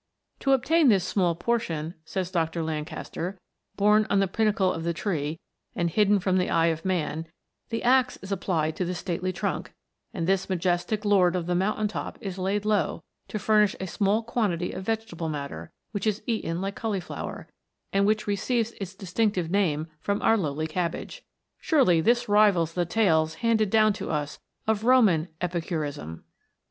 " To obtain this small portion," says Dr. Lan kaster, " borne on the pinnacle of the tree, and hidden from the eye of man, the axe is applied to the stately trunk, and this majestic lord of the moun tain top is laid low, to furnish a small quantity of vegetable matter, which is eaten like cauliflower, and which receives its distinctive name from our lowly cabbage. Surely this rivals the tales handed down to us of Roman epicurism